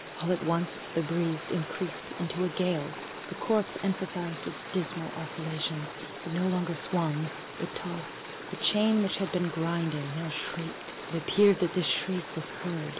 All at once the breeze increased into a gale. The corpse emphasized its dismal oscillations. It no longer swung, it tossed; the chain, which had been grinding, now shrieked. It appeared that its shriek was heard.